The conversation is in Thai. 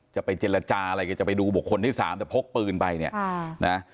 จะไปเจรจาอะไรแกจะไปดูบุคคลที่สามแต่พกปืนไปเนี่ยนะ